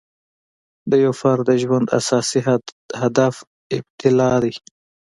د یو فرد د ژوند اساسي هدف ابتلأ دی.